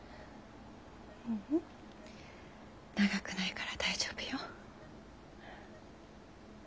ううん長くないから大丈夫よ。